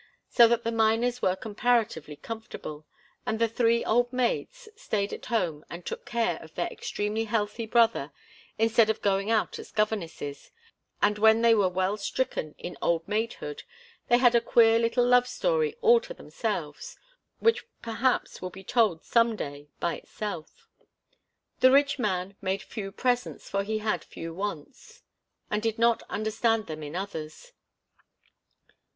So that the Miners were comparatively comfortable, and the three old maids stayed at home and 'took care' of their extremely healthy brother instead of going out as governesses and when they were well stricken in old maidhood they had a queer little love story all to themselves, which perhaps will be told some day by itself. The rich man made few presents, for he had few wants, and did not understand them in others.